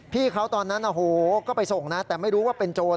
พี่เขาตอนนั้นก็ไปส่งนะแต่ไม่รู้ว่าเป็นโจร